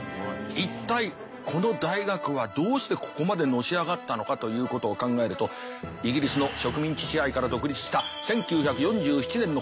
一体この大学はどうしてここまでのし上がったのかということを考えるとイギリスの植民地支配から独立した１９４７年のこと。